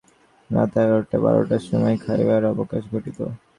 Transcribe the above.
রাত এগারোটা বারোটার সময় খাইবার অবকাশ ঘটিত।